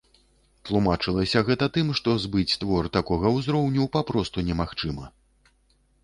Тлумачылася гэта тым, што збыць твор такога ўзроўню папросту немагчыма.